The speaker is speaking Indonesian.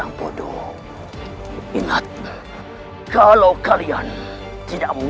aku tidak salah dengar